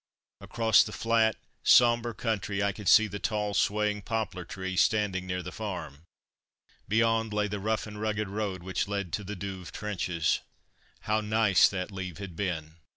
Across the flat, sombre country I could see the tall, swaying poplar trees standing near the farm. Beyond lay the rough and rugged road which led to the Douve trenches. How nice that leave had been!